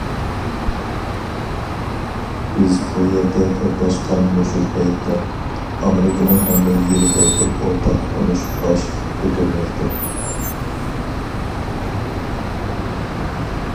بىز بۇ يەردە توپلاشقان مۇشۇ پەيتتە ،ئامېرىكىنىڭ ھەممە يېرىدە بىر ئورتاق تونۇش باش كۆتۈرمەكتە.